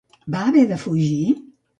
Va haver de fugir?